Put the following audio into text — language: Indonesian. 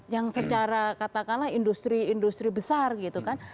yang secara katakanlah industri industri besar gitu kan